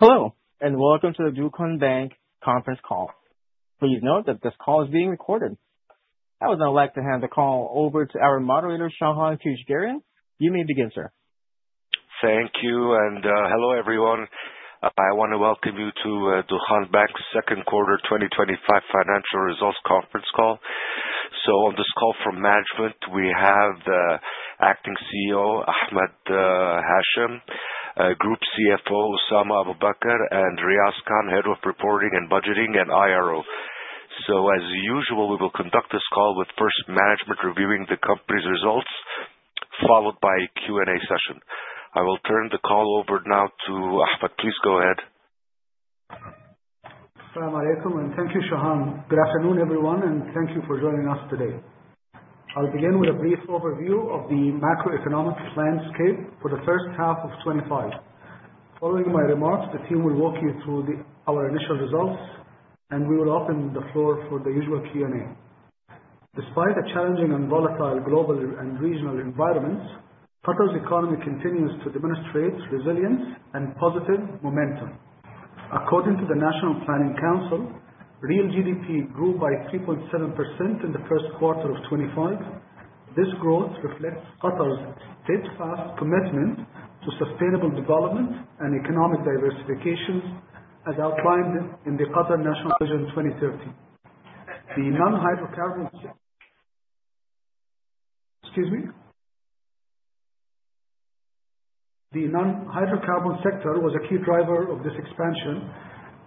Hello, welcome to the Dukhan Bank conference call. Please note that this call is being recorded. I would now like to hand the call over to our moderator, Shahan Kujdurian. You may begin, sir. Thank you, hello, everyone. I want to welcome you to Dukhan Bank second quarter 2025 financial results conference call. On this call from management, we have the Acting CEO, Ahmed Hashem, Group CFO, Osama Abu Baker, and Riaz Khan, Head of Reporting and Budgeting and IRO. As usual, we will conduct this call with first management reviewing the company's results, followed by a Q&A session. I will turn the call over now to Ahmed. Please go ahead. Assalamualaikum, thank you, Shahan. Good afternoon, everyone, thank you for joining us today. I’ll begin with a brief overview of the macroeconomic landscape for the first half of 2025. Following my remarks, the team will walk you through our initial results, we will open the floor for the usual Q&A. Despite a challenging and volatile global and regional environments, Qatar’s economy continues to demonstrate resilience and positive momentum. According to the National Planning Council, real GDP grew by 3.7% in the first quarter of 2025. This growth reflects Qatar’s steadfast commitment to sustainable development and economic diversification, as outlined in the Qatar National Vision 2030. The non-hydrocarbon sector was a key driver of this expansion,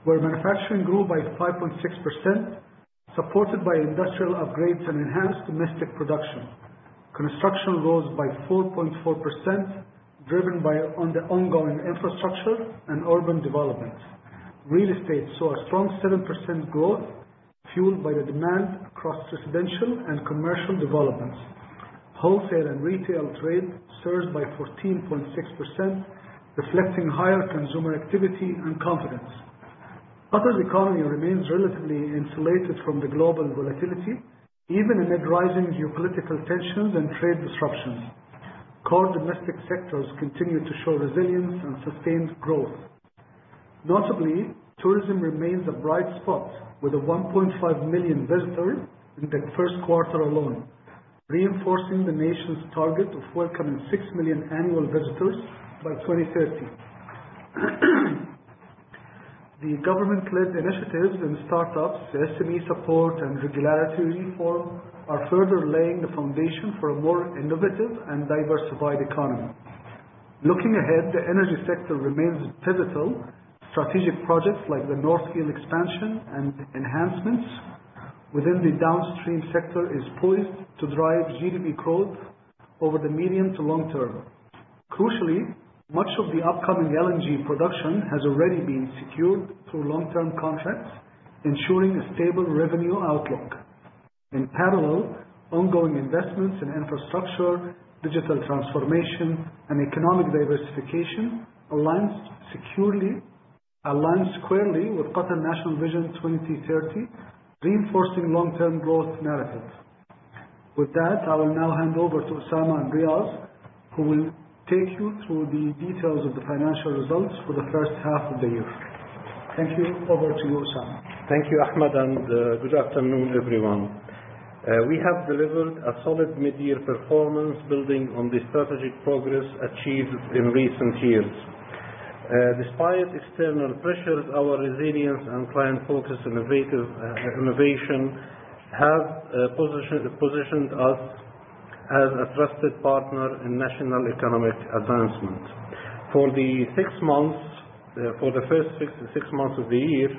where manufacturing grew by 5.6%, supported by industrial upgrades and enhanced domestic production. Construction rose by 4.4%, driven by the ongoing infrastructure and urban development. Real estate saw a strong 7% growth, fueled by the demand across residential and commercial developments. Wholesale and retail trade surged by 14.6%, reflecting higher consumer activity and confidence. Qatar’s economy remains relatively insulated from the global volatility, even amid rising geopolitical tensions and trade disruptions. Core domestic sectors continue to show resilience and sustained growth. Notably, tourism remains a bright spot, with 1.5 million visitors in the first quarter alone, reinforcing the nation’s target of welcoming 6 million annual visitors by 2030. The government-led initiatives in startups, the SME support, and regulatory reform are further laying the foundation for a more innovative and diversified economy. Looking ahead, the energy sector remains pivotal. Strategic projects like the North Field expansion and enhancements within the downstream sector is poised to drive GDP growth over the medium to long term. Crucially, much of the upcoming LNG production has already been secured through long-term contracts, ensuring a stable revenue outlook. In parallel, ongoing investments in infrastructure, digital transformation, and economic diversification align squarely with Qatar National Vision 2030, reinforcing long-term growth narratives. With that, I will now hand over to Osama and Riaz, who will take you through the details of the financial results for the first half of the year. Thank you. Over to you, Osama. Thank you, Ahmed. Good afternoon, everyone. We have delivered a solid mid-year performance building on the strategic progress achieved in recent years. Despite external pressures, our resilience and client-focused innovation have positioned us as a trusted partner in national economic advancement. For the first six months of the year,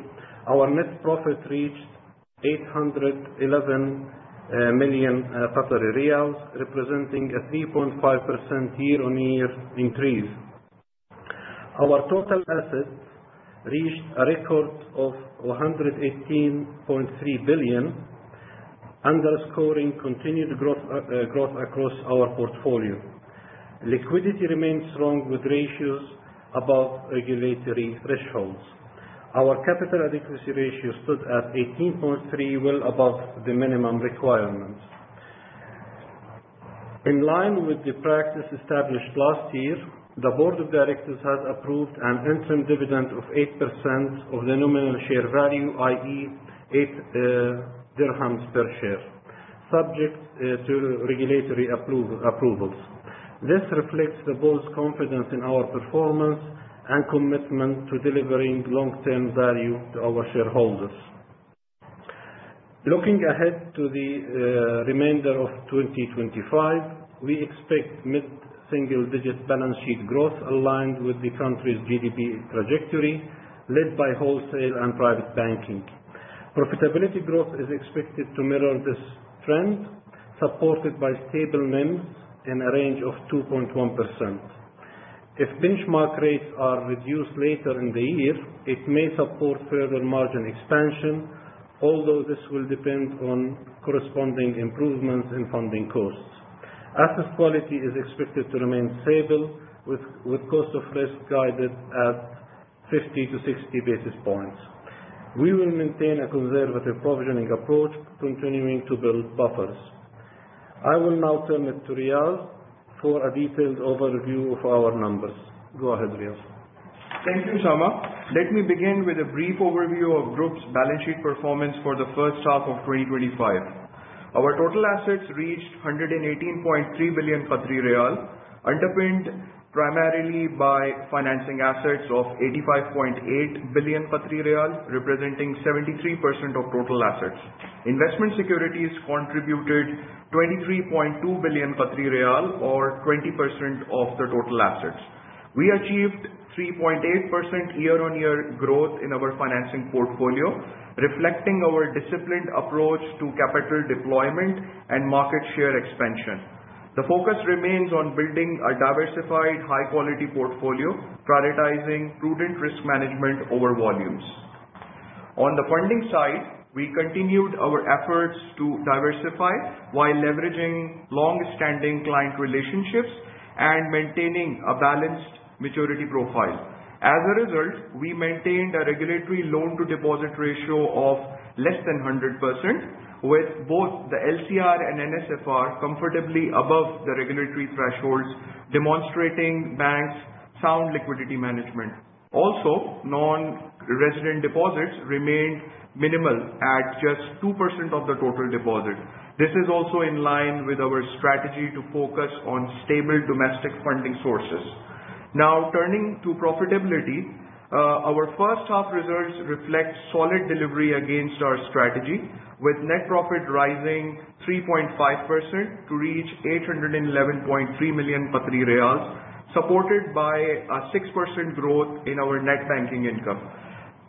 our net profit reached 811 million riyals, representing a 3.5% year-on-year increase. Our total assets reached a record of 118.3 billion, underscoring continued growth across our portfolio. Liquidity remains strong with ratios above regulatory thresholds. Our capital adequacy ratio stood at 18.3%, well above the minimum requirements. In line with the practice established last year, the board of directors has approved an interim dividend of 8% of the nominal share value, i.e., QAR 0.08 per share, subject to regulatory approvals. This reflects the board’s confidence in our performance and commitment to delivering long-term value to our shareholders. Looking ahead to the remainder of 2025, we expect mid-single-digit balance sheet growth aligned with the country’s GDP trajectory, led by wholesale and private banking. Profitability growth is expected to mirror this trend, supported by stable NIMs in a range of 2.1%. If benchmark rates are reduced later in the year, it may support further margin expansion, although this will depend on corresponding improvements in funding costs. Asset quality is expected to remain stable with cost of risk guided at 50-60 basis points. We will maintain a conservative provisioning approach, continuing to build buffers. I will now turn it to Riaz for a detailed overview of our numbers. Go ahead, Riaz. Thank you, Shahan. Let me begin with a brief overview of Group's balance sheet performance for the first half of 2025. Our total assets reached 118.3 billion Qatari riyal, underpinned primarily by financing assets of 85.8 billion Qatari riyal, representing 73% of total assets. Investment securities contributed 23.2 billion Qatari riyal or 20% of the total assets. We achieved 3.8% year-on-year growth in our financing portfolio, reflecting our disciplined approach to capital deployment and market share expansion. The focus remains on building a diversified, high-quality portfolio, prioritizing prudent risk management over volumes. On the funding side, we continued our efforts to diversify while leveraging long-standing client relationships and maintaining a balanced maturity profile. As a result, we maintained a regulatory loan-to-deposit ratio of less than 100%, with both the LCR and NSFR comfortably above the regulatory thresholds, demonstrating Bank's sound liquidity management. Non-resident deposits remained minimal at just 2% of the total deposit. This is also in line with our strategy to focus on stable domestic funding sources. Now turning to profitability. Our first half results reflect solid delivery against our strategy, with net profit rising 3.5% to reach 811.3 million, supported by a 6% growth in our net banking income.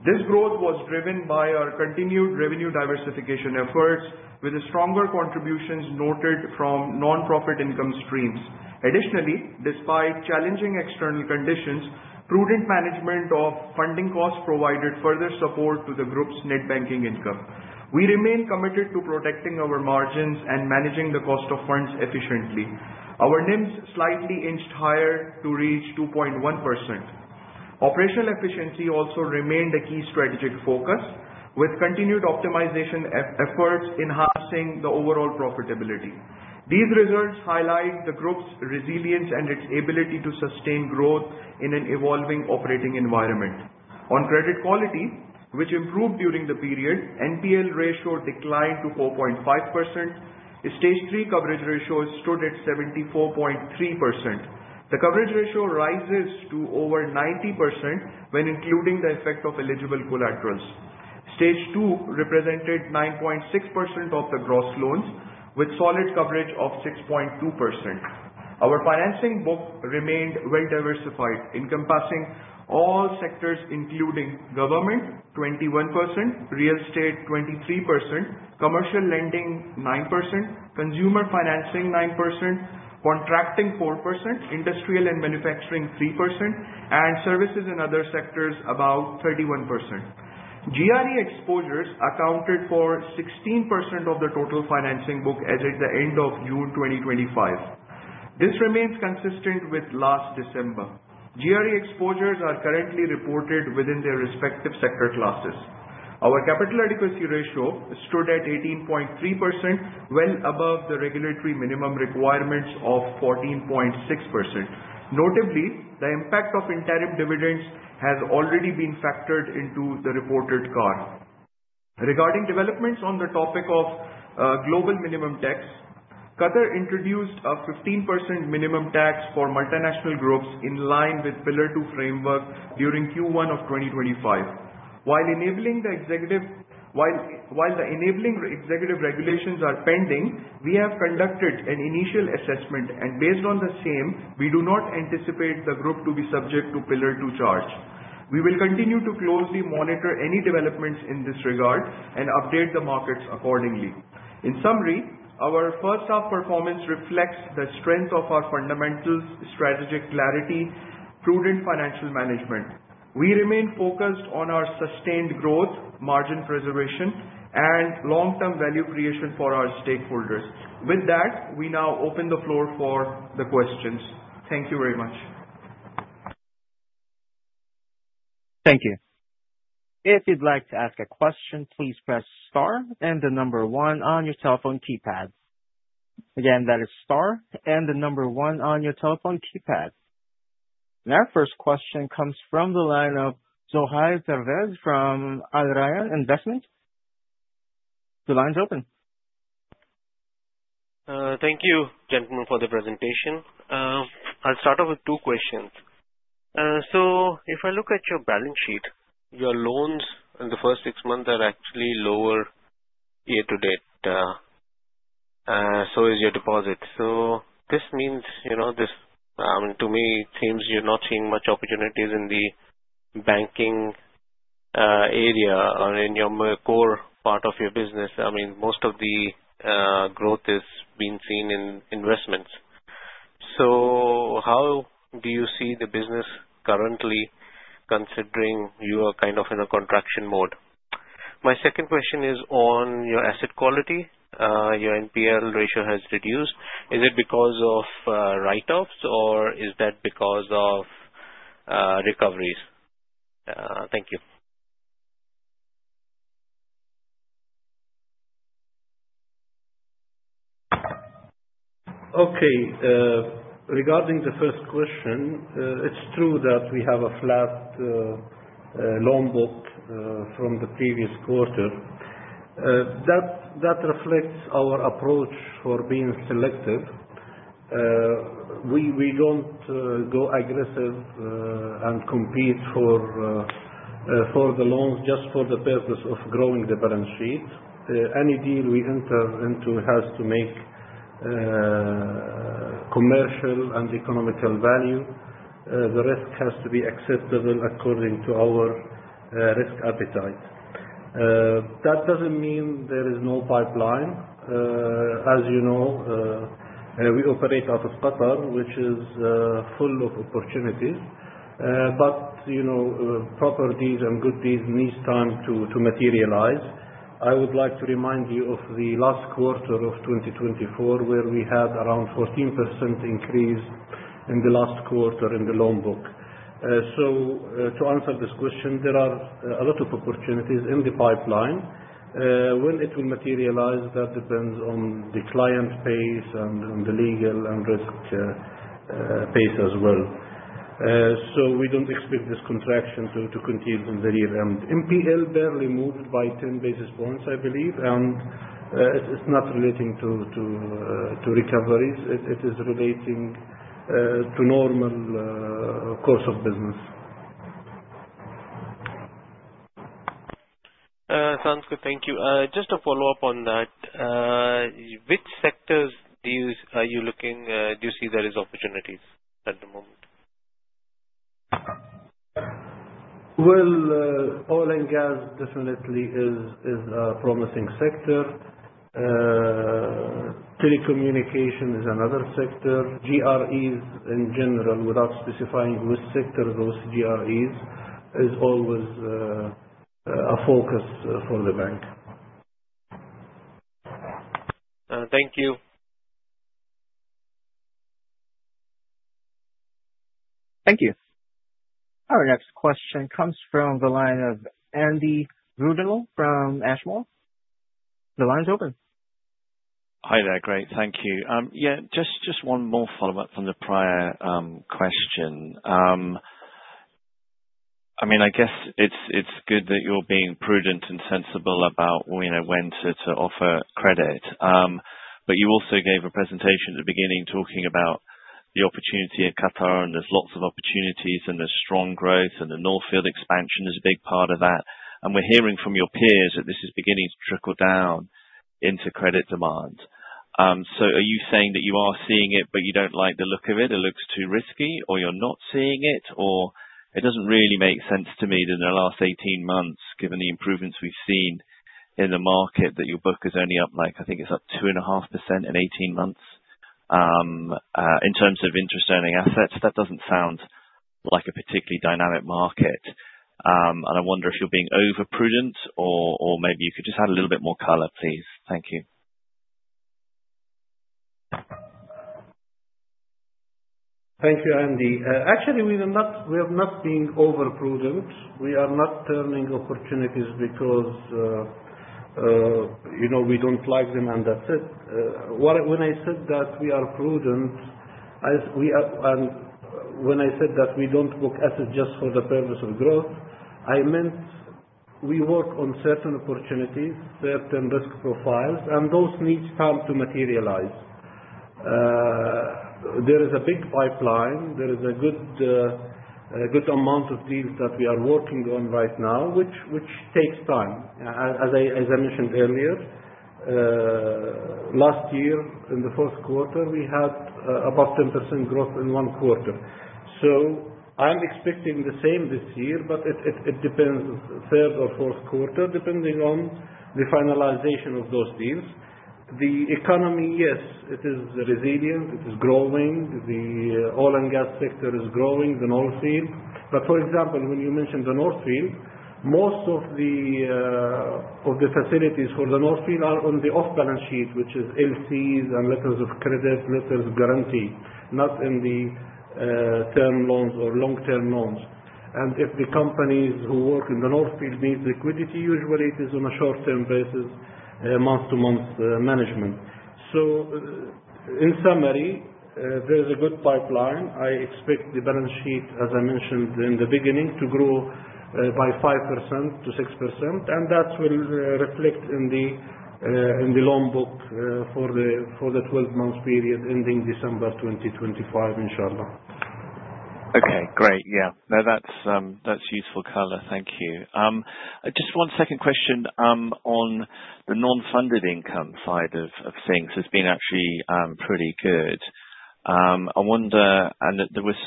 This growth was driven by our continued revenue diversification efforts, with stronger contributions noted from non-profit income streams. Additionally, despite challenging external conditions, prudent management of funding costs provided further support to the Group's net banking income. We remain committed to protecting our margins and managing the cost of funds efficiently. Our NIMs slightly inched higher to reach 2.1%. Operational efficiency also remained a key strategic focus, with continued optimization efforts enhancing the overall profitability. These results highlight the Group's resilience and its ability to sustain growth in an evolving operating environment. On credit quality, which improved during the period, NPL ratio declined to 4.5%. Stage 3 coverage ratio stood at 74.3%. The coverage ratio rises to over 90% when including the effect of eligible collaterals. Stage 2 represented 9.6% of the gross loans, with solid coverage of 6.2%. Our financing book remained well-diversified, encompassing all sectors including government 21%, real estate 23%, commercial lending 9%, consumer financing 9%, contracting 4%, industrial and manufacturing 3%, and services in other sectors about 31%. GRE exposures accounted for 16% of the total financing book as at the end of June 2025. This remains consistent with last December. GRE exposures are currently reported within their respective sector classes. Our capital adequacy ratio stood at 18.3%, well above the regulatory minimum requirements of 14.6%. Notably, the impact of interim dividends has already been factored into the reported CAR. Regarding developments on the topic of global minimum tax, Qatar introduced a 15% minimum tax for multinational groups in line with Pillar Two framework during Q1 of 2025. While the enabling executive regulations are pending, we have conducted an initial assessment and based on the same, we do not anticipate the Group to be subject to Pillar Two charge. We will continue to closely monitor any developments in this regard and update the markets accordingly. In summary, our first half performance reflects the strength of our fundamentals, strategic clarity, prudent financial management. We remain focused on our sustained growth, margin preservation, and long-term value creation for our stakeholders. With that, we now open the floor for the questions. Thank you very much. Thank you. If you would like to ask a question, please press star and the number one on your telephone keypad. Again, that is star and the number one on your telephone keypad. Our first question comes from the line of Zohaib Pervez from Al Rayan Investment. The line is open. Thank you, gentlemen, for the presentation. I will start off with two questions. If I look at your balance sheet, your loans in the first 6 months are actually lower year to date. Is your deposit. This means, to me, it seems you are not seeing much opportunities in the banking area or in your core part of your business. Most of the growth is being seen in investments. How do you see the business currently considering you are in a contraction mode? My second question is on your asset quality. Your NPL ratio has reduced. Is it because of write-offs or is that because of recoveries? Thank you. Okay. Regarding the first question, it is true that we have a flat loan book from the previous quarter. That reflects our approach for being selective. We do not go aggressive and compete for the loans just for the purpose of growing the balance sheet. Any deal we enter into has to make commercial and economical value. The risk has to be acceptable according to our risk appetite. That does not mean there is no pipeline. As you know, we operate out of Qatar, which is full of opportunities. Properties and good deals need time to materialize. I would like to remind you of the last quarter of 2024, where we had around 14% increase in the last quarter in the loan book. To answer this question, there are a lot of opportunities in the pipeline. When it will materialize, that depends on the client pace and on the legal and risk pace as well. We do not expect this contraction to continue in the near term. NPL, they are removed by 10 basis points, I believe, and it is not relating to recoveries. It is relating to normal course of business. Sounds good. Thank you. Just to follow up on that, which sectors are you looking, do you see there is opportunities at the moment? Well, oil and gas definitely is a promising sector. Telecommunication is another sector. GREs in general, without specifying which sector those GREs, is always a focus for the bank. Thank you. Thank you. Our next question comes from the line of Andy Brudenell from Ashmore. The line is open. Hi there. Great. Thank you. Yeah, just one more follow-up from the prior question. I guess it's good that you're being prudent and sensible about when to offer credit. You also gave a presentation at the beginning talking about the opportunity at Qatar, and there's lots of opportunities, and there's strong growth, and the North Field expansion is a big part of that. We're hearing from your peers that this is beginning to trickle down into credit demand. Are you saying that you are seeing it, but you don't like the look of it? It looks too risky? You're not seeing it? It doesn't really make sense to me that in the last 18 months, given the improvements we've seen in the market, that your book is only up, I think, it's up 2.5% in 18 months. In terms of interest-earning assets, that doesn't sound like a particularly dynamic market. I wonder if you're being over-prudent or maybe you could just add a little bit more color, please. Thank you. Thank you, Andy. Actually, we have not been over-prudent. We are not turning opportunities because we don't like them, and that's it. When I said that we are prudent, and when I said that we don't book assets just for the purpose of growth, I meant we work on certain opportunities, certain risk profiles, and those needs time to materialize. There is a big pipeline. There is a good amount of deals that we are working on right now, which takes time. As I mentioned earlier, last year, in the fourth quarter, we had about 10% growth in one quarter. I'm expecting the same this year, but it depends, third or fourth quarter, depending on the finalization of those deals. The economy, yes, it is resilient. It is growing. The oil and gas sector is growing, the North Field. For example, when you mentioned the North Field, most of the facilities for the North Field are on the off-balance sheet, which is LCs and letters of credit, letters of guarantee, not in the term loans or long-term loans. If the companies who work in the North Field needs liquidity, usually it is on a short-term basis, month to month management. In summary, there is a good pipeline. I expect the balance sheet, as I mentioned in the beginning, to grow by 5%-6%, and that will reflect in the loan book for the 12 months period ending December 2025, inshallah. Okay, great. Yeah. No, that's useful color. Thank you. Just one second question on the non-funded income side of things. It's been actually pretty good. I wonder, there's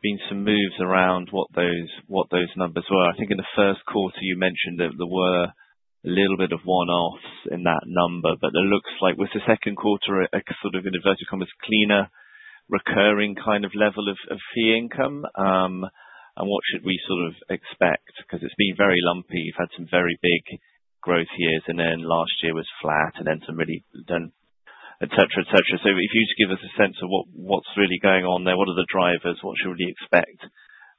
been some moves around what those numbers were. I think in the first quarter you mentioned that there were a little bit of one-offs in that number, but it looks like with the second quarter, sort of in inverted commas, cleaner, recurring kind of level of fee income. What should we sort of expect? Because it's been very lumpy. You've had some very big growth years, and then last year was flat, and then somebody done et cetera. If you just give us a sense of what's really going on there, what are the drivers? What should we expect?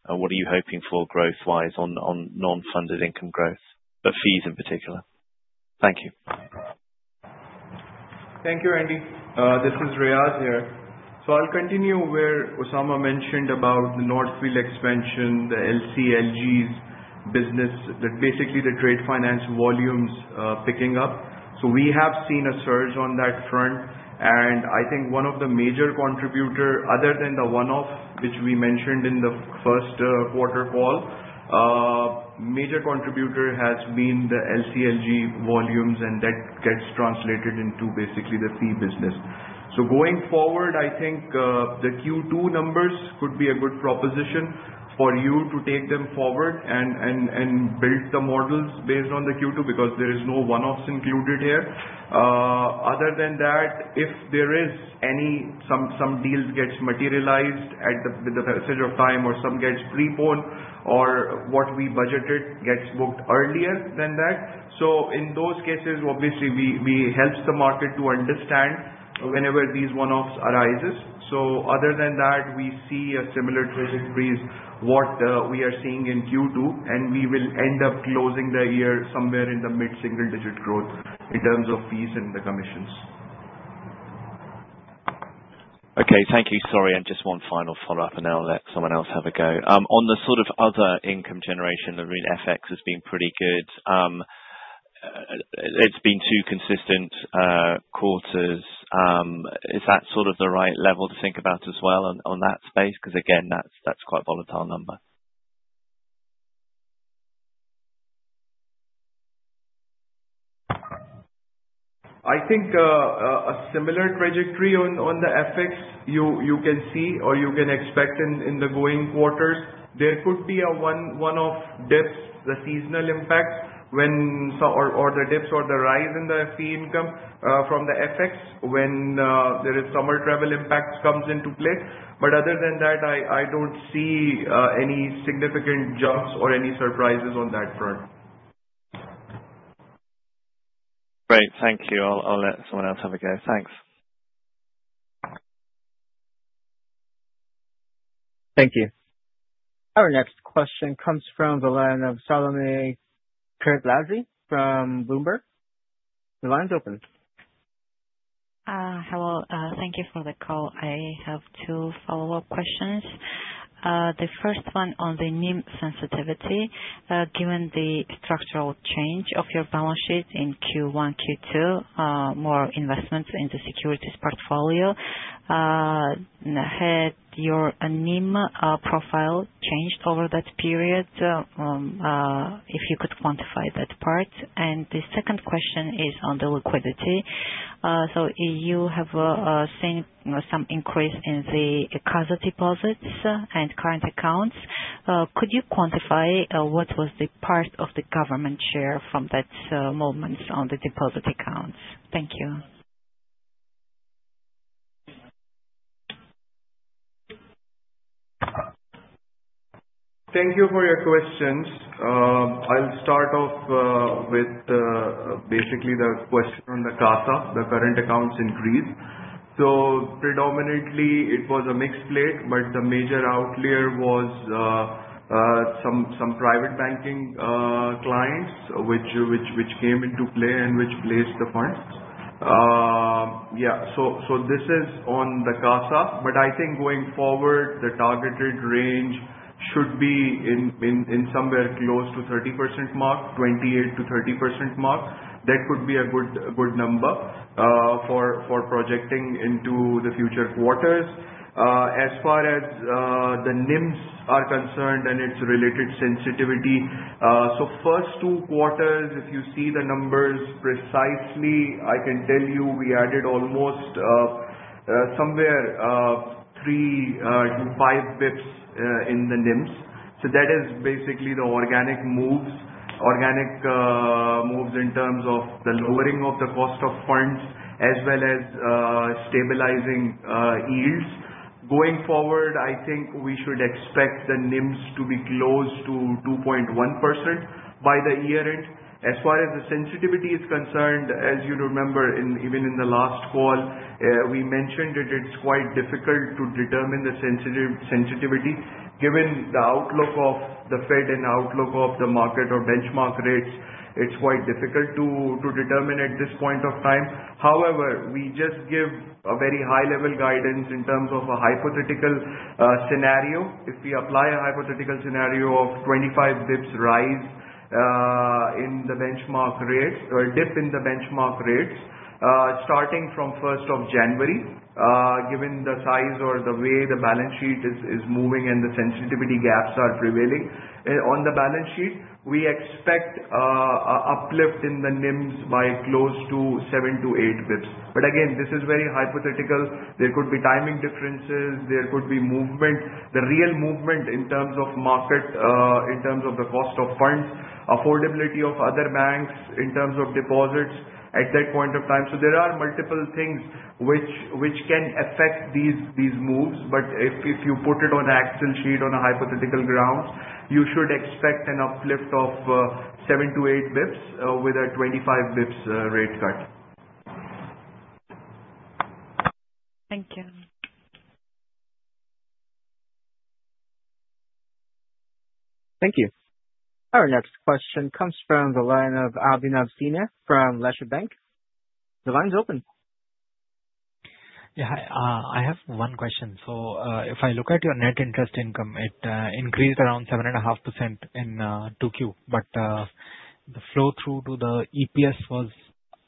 What are you hoping for growth-wise on non-funded income growth, but fees in particular? Thank you. Thank you, Andy. This is Riyaz here. I'll continue where Osama mentioned about the North Field expansion, the LC/LG business. Basically, the trade finance volumes picking up. We have seen a surge on that front, and I think one of the major contributor, other than the one-off which we mentioned in the first quarter call, major contributor has been the LC/LG volumes, and that gets translated into basically the fee business. Going forward, I think, the Q2 numbers could be a good proposition for you to take them forward and build the models based on the Q2 because there is no one-offs included here. Other than that, if there is any, some deals gets materialized with the passage of time or some gets prepone or what we budgeted gets booked earlier than that. In those cases, obviously we help the market to understand whenever these one-offs arises. Other than that, we see a similar trajectory what we are seeing in Q2, and we will end up closing the year somewhere in the mid-single digit growth in terms of fees and the commissions. Okay. Thank you. Sorry, just one final follow-up and then I'll let someone else have a go. On the sort of other income generation, the real FX has been pretty good. It's been two consistent quarters. Is that sort of the right level to think about as well on that space? Because again, that's quite a volatile number. I think a similar trajectory on the FX, you can see or you can expect in the going quarters. There could be a one-off dip, the seasonal impact or the dips or the rise in the fee income from the FX when there is summer travel impacts comes into play. Other than that, I don't see any significant jumps or any surprises on that front. Great. Thank you. I'll let someone else have a go. Thanks. Thank you. Our next question comes from the line of Salome Skhirtladze from Bloomberg. The line's open. Hello. Thank you for the call. I have two follow-up questions. The first one on the NIM sensitivity. Given the structural change of your balance sheet in Q1, Q2, more investments in the securities portfolio, had your NIM profile changed over that period? If you could quantify that part. The second question is on the liquidity. You have seen some increase in the CASA deposits and current accounts. Could you quantify what was the part of the government share from that moment on the deposit accounts? Thank you. Thank you for your questions. I'll start off with basically the question on the CASA, the current accounts increase. Predominantly it was a mixed plate, but the major outlier was some private banking clients which came into play and which placed the funds. This is on the CASA. I think going forward, the targeted range should be in somewhere close to 30% mark, 28%-30% mark. That could be a good number for projecting into the future quarters. As far as the NIMs are concerned and its related sensitivity. First two quarters, if you see the numbers precisely, I can tell you we added almost somewhere 3 bps-5 bps in the NIMs. That is basically the organic moves. Organic moves in terms of the lowering of the cost of funds as well as stabilizing yields. Going forward, I think we should expect the NIMs to be close to 2.1% by the year end. As far as the sensitivity is concerned, as you remember even in the last call, we mentioned that it's quite difficult to determine the sensitivity given the outlook of the Fed and outlook of the market or benchmark rates. It's quite difficult to determine at this point of time. However, we just give a very high-level guidance in terms of a hypothetical scenario. If we apply a hypothetical scenario of 25 bps rise in the benchmark rates or a dip in the benchmark rates starting from 1st of January, given the size or the way the balance sheet is moving and the sensitivity gaps are prevailing. On the balance sheet, we expect uplift in the NIMs by close to 7 bps-8 bps. Again, this is very hypothetical. There could be timing differences, there could be movement. The real movement in terms of market, in terms of the cost of funds, affordability of other banks in terms of deposits at that point of time. There are multiple things which can affect these moves, but if you put it on a actual sheet on a hypothetical grounds, you should expect an uplift of 7 bps-8 bps with a 25 bps rate cut. Thank you. Thank you. Our next question comes from the line of Abhinav Sinha from Leumi Bank. The line is open. Hi, I have one question. If I look at your net interest income, it increased around 7.5% in 2Q, but the flow-through to the EPS was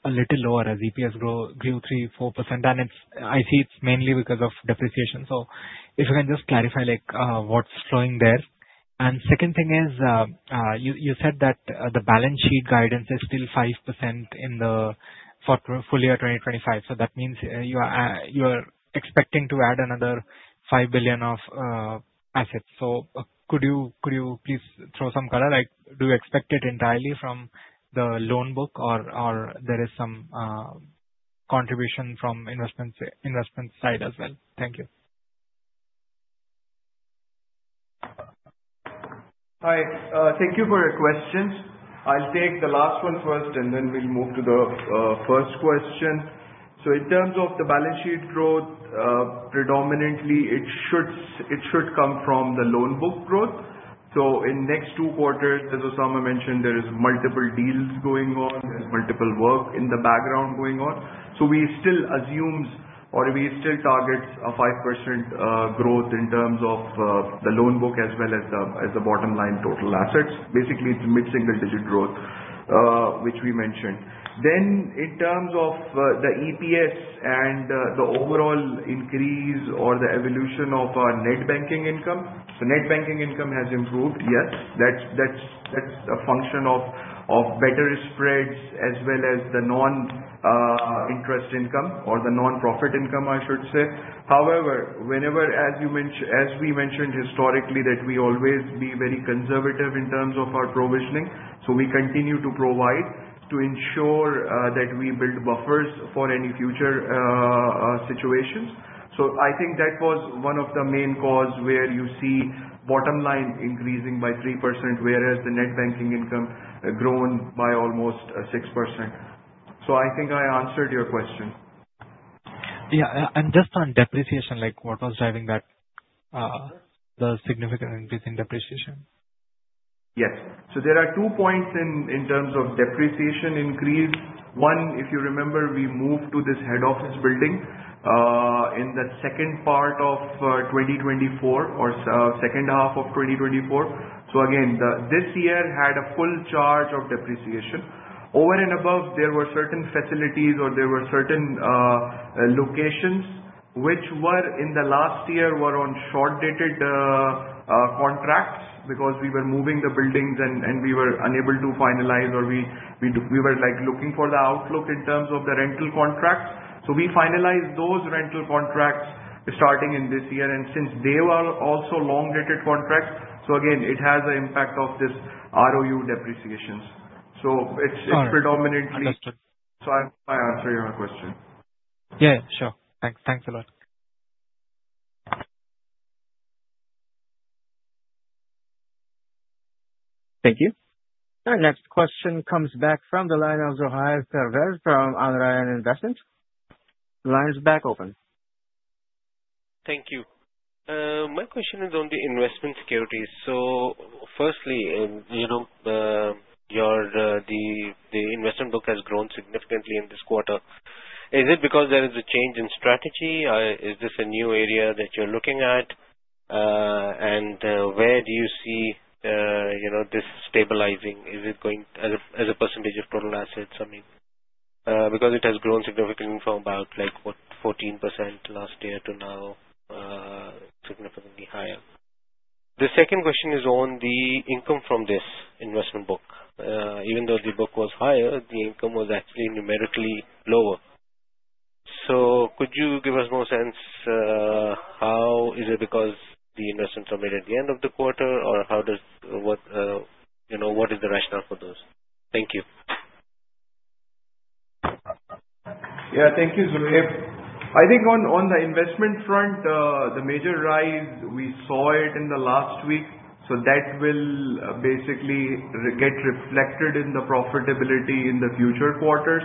a little lower, as EPS grew 3%, 4%, and I see it is mainly because of depreciation. If you can just clarify, what is flowing there? Second thing is, you said that the balance sheet guidance is still 5% for full year 2025. That means you are expecting to add another 5 billion of assets. Could you please throw some color? Do you expect it entirely from the loan book or there is some contribution from investment side as well? Thank you. Hi. Thank you for your questions. I will take the last one first, and then we will move to the first question. In terms of the balance sheet growth, predominantly it should come from the loan book growth. In next two quarters, as Osama mentioned, there is multiple deals going on, there is multiple work in the background going on. We still assume or we still target a 5% growth in terms of the loan book as well as the bottom line total assets. Basically, it is mid-single digit growth, which we mentioned. In terms of the EPS and the overall increase or the evolution of our net banking income. Net banking income has improved, yes. That is a function of better spreads as well as the non-interest income or the non-profit income, I should say. However, whenever, as we mentioned historically, that we always be very conservative in terms of our provisioning. We continue to provide to ensure that we build buffers for any future situations. I think that was one of the main cause where you see bottom line increasing by 3%, whereas the net banking income grown by almost 6%. I think I answered your question. Yeah. Just on depreciation, what was driving that Sorry. The significant increase in depreciation? Yes. There are two points in terms of depreciation increase. One, if you remember, we moved to this head office building in the second part of 2024 or second half of 2024. Again, this year had a full charge of depreciation. Over and above, there were certain facilities or there were certain locations, which were in the last year were on short-dated contracts because we were moving the buildings and we were unable to finalize, or we were looking for the outlook in terms of the rental contracts. We finalized those rental contracts starting in this year. Since they were also long-dated contracts, so again, it has an impact of this ROU depreciations. It's All right. Understood. I answered your question. Yeah. Sure. Thanks a lot. Thank you. Our next question comes back from the line of Zohaib Pervez from Al Rayan Investment. The line is back open. Thank you. My question is on the investment securities. Firstly, the investment book has grown significantly in this quarter. Is it because there is a change in strategy, or is this a new area that you're looking at? And where do you see this stabilizing? Is it going as a percentage of total assets? Because it has grown significantly from about 14% last year to now significantly higher. The second question is on the income from this investment book. Even though the book was higher, the income was actually numerically lower. Could you give us more sense, how is it because the investments are made at the end of the quarter or what is the rationale for those? Thank you. Yeah. Thank you, Zohaib. I think on the investment front, the major rise, we saw it in the last week. That will basically get reflected in the profitability in the future quarters.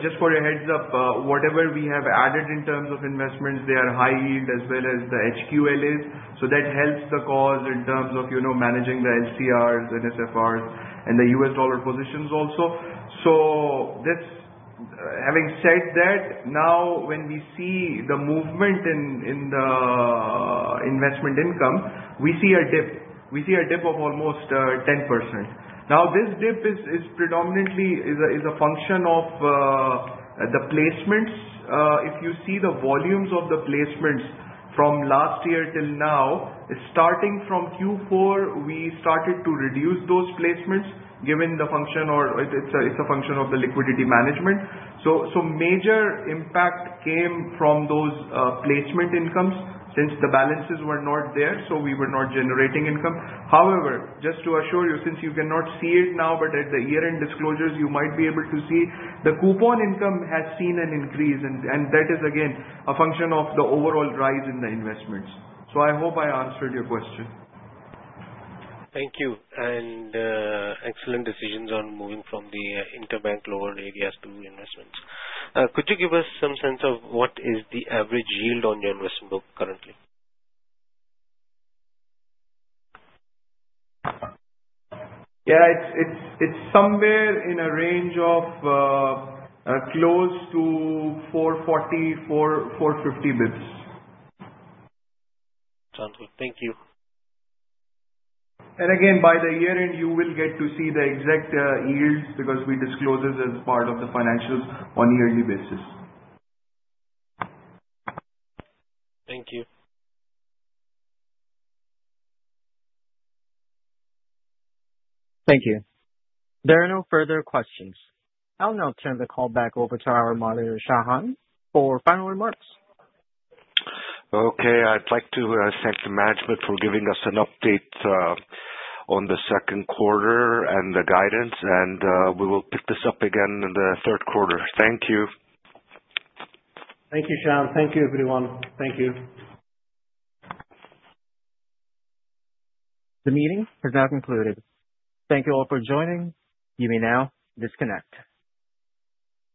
Just for a heads-up, whatever we have added in terms of investments, they are high yield as well as the HQLAs. That helps the cause in terms of managing the LCRs, NSFRs and the US dollar positions also. Having said that, now when we see the movement in the investment income, we see a dip. We see a dip of almost 10%. Now this dip predominantly is a function of the placements. If you see the volumes of the placements from last year till now, starting from Q4, we started to reduce those placements, given the function or it's a function of the liquidity management. Major impact came from those placement incomes since the balances were not there, so we were not generating income. However, just to assure you, since you cannot see it now, but at the year-end disclosures you might be able to see the coupon income has seen an increase and that is again a function of the overall rise in the investments. I hope I answered your question. Thank you. Excellent decisions on moving from the interbank lowered areas to investments. Could you give us some sense of what is the average yield on your investment book currently? Yeah. It's somewhere in a range of close to 440, 450 basis points. Sounds good. Thank you. Again, by the year-end, you will get to see the exact yields because we disclose this as part of the financials on a yearly basis. Thank you. Thank you. There are no further questions. I'll now turn the call back over to our moderator, Shahan, for final remarks. Okay. I'd like to thank the management for giving us an update on the second quarter and the guidance, and we will pick this up again in the third quarter. Thank you. Thank you, Shahan. Thank you, everyone. Thank you. The meeting is now concluded. Thank you all for joining. You may now disconnect.